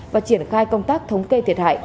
và triển khai công tác thống kê thiệt hại